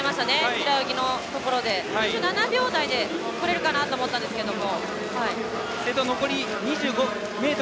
平泳ぎのところで７秒台でこれるかと思ったんですけど。